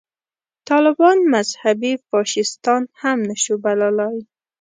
طالبان مذهبي فاشیستان هم نه شو بللای.